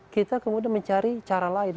kita kemudian mencari cara lain